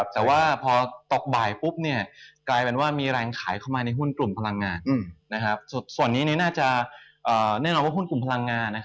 แต่ว่าพอตกบ่ายปุ๊บกลายเป็นว่ามีแรงขายเข้ามาในหุ้นกลุ่มพลังงาน